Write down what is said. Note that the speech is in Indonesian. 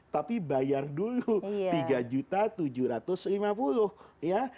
tapi bayar dulu tiga juta tujuh ratus lima puluh